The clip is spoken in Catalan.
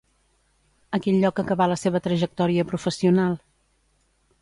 A quin lloc acabà la seva trajectòria professional?